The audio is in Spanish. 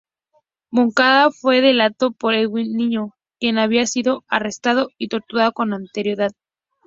Moncada fue delatado por Edwin Miño, quien había sido arrestado y torturado con anterioridad.